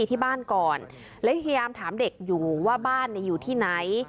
ที่บ้านก่อนแล้วพยายามถามเด็กอยู่ว่าบ้านอยู่ที่ไหน